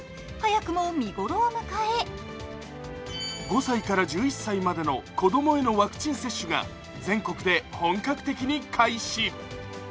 早くも見頃を迎え５歳から１１歳までの子供へのワクチン接種が全国で本格的に開始。